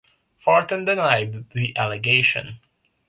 Fortin denied the allegation.